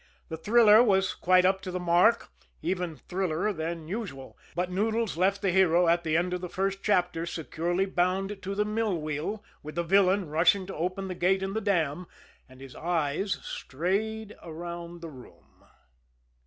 The thriller was quite up to the mark, even "thriller" than usual, but Noodles left the hero at the end of the first chapter securely bound to the mill wheel with the villain rushing to open the gate in the dam and his eyes strayed around the room.